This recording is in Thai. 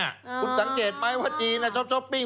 คุณสังเกตไหมว่าจีนชอบช้อปปิ้ง